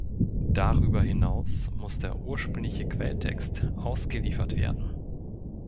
Darüber hinaus muss der ursprüngliche Quelltext ausgeliefert werden.